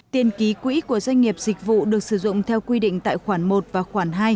tiền ký quỹ của doanh nghiệp dịch vụ được sử dụng theo quy định tại khoản một và khoản hai